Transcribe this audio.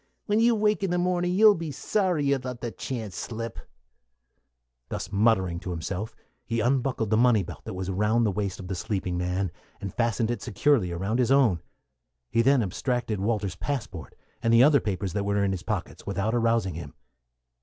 When you wake in the morning you'll be sorry you let the chance slip." [Illustration: "HE UNBUCKLED THE MONEY BELT."] Thus muttering to himself, he unbuckled the money belt that was round the waist of the sleeping man, and fastened it securely round his own. He then abstracted Walter's passport and the other papers that were in his pockets, without arousing him.